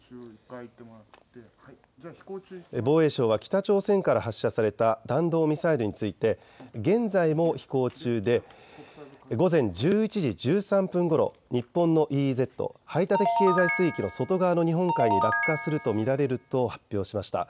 防衛省は北朝鮮から発射された弾道ミサイルについて現在も飛行中で午前１１時１３分ごろ、日本のＥＥＺ・排他的経済水域の外側の日本海に落下すると見られると発表しました。